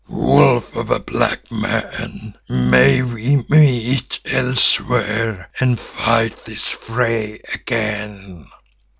Wolf of a black man, may we meet elsewhere and fight this fray again.